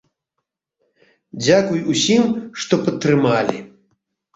Дзякуй усім, што падтрымалі.